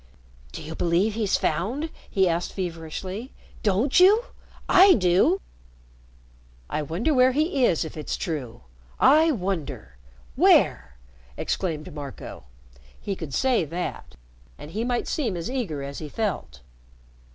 "Do you believe he's found?" he asked feverishly. "Don't you? I do!" "I wonder where he is, if it's true? I wonder! Where?" exclaimed Marco. He could say that, and he might seem as eager as he felt.